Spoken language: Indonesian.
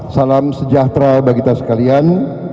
salam sejahtera bagi kita sekalian